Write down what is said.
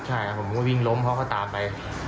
ใช่ผมก็วิ่งล้มเขาก็ตามไป